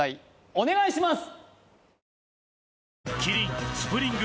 お願いします